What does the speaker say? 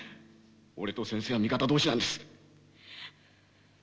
俺と先生は味方同士なんです！